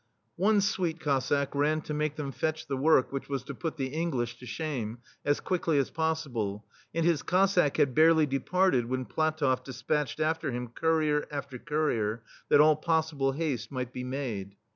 One Suite Cossack ran to make them fetch the work which was to put the English to shame, as quickly as possi ble, and his Cossack had barely departed when PlatoflF despatched after him cou rier after courier, that all possible haste might be made.